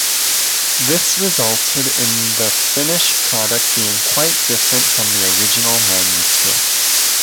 This resulted in the finished product being quite different from the original manuscript.